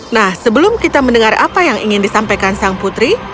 nah sebelum kita mendengar apa yang ingin disampaikan sang putri